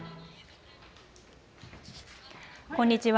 こんにちは。